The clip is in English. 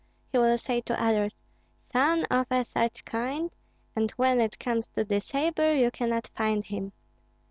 He will say to others, 'Son of a such kind,' and when it comes to the sabre you cannot find him.